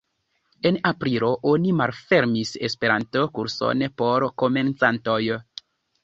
En aprilo oni malfermis Esperanto-kurson por komencantoj.